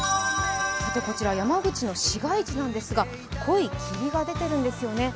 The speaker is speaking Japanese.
こちら、山口の市街地なんですが濃い霧が出ているんですよね。